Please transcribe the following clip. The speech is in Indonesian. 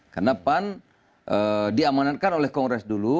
karena pan diamanatkan oleh kongres dulu